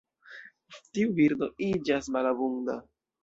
Tiu birdo iĝas malabunda.